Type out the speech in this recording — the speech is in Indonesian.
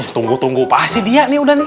tunggu tunggu pasti dia nih udah nih